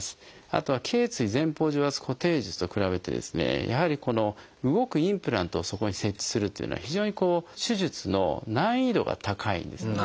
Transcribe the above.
あとは頚椎前方除圧固定術と比べてですねやはり動くインプラントをそこに設置するというのは非常に手術の難易度が高いんですね。